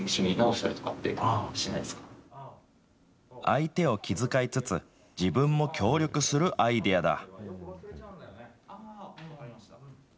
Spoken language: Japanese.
相手を気遣いつつ、自分も協力するアイデアだ。